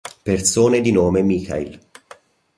Persone di nome Michail